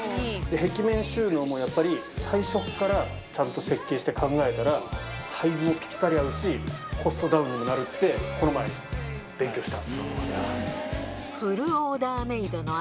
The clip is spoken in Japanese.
壁面収納も最初から設計して考えたらサイズもぴったり合うしコストダウンにもなるってこの前勉強した。